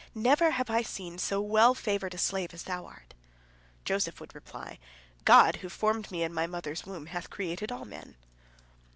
Never have I seen so well favored a slave as thou art." Joseph would reply: "God, who formed me in my mother's womb, hath created all men."